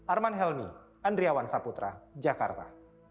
arman helmi andriawan saputra jakarta